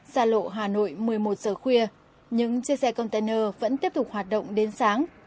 xa lộ hà nội một mươi một giờ khuya những chiếc xe container vẫn tiếp tục hoạt động đến sáng